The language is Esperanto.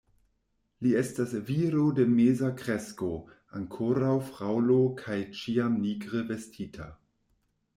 Li estas viro de meza kresko, ankoraŭ fraŭlo kaj ĉiam nigre vestita.